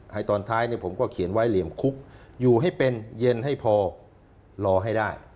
ให้ตอนท้ายเนี่ยผมก็เขียนไว้เหลี่ยมคุกอยู่ให้เป็นเย็นให้พอรอให้ได้